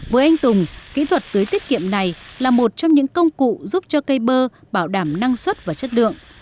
với anh tùng kỹ thuật tưới tiết kiệm này là một trong những công cụ giúp cho cây bơ bảo đảm năng suất và chất lượng